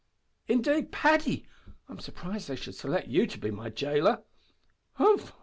"Indeed, Paddy! I'm surprised that they should select you to be my jailer." "Humph!